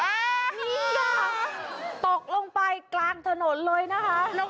อันนี้ค่ะตกลงไปกลางถนนเลยนะคะ